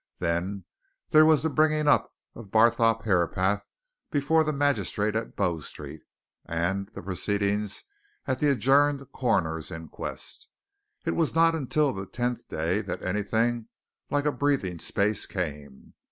Then there was the bringing up of Barthorpe Herapath before the magistrate at Bow Street, and the proceedings at the adjourned coroner's inquest. It was not until the tenth day that anything like a breathing space came.